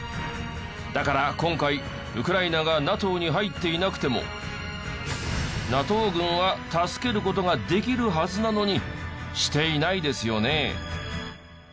だから今回ウクライナがＮＡＴＯに入っていなくてもＮＡＴＯ軍は助ける事ができるはずなのにしていないですよね。